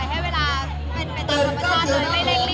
หลีกเสริมไปด้านหลัง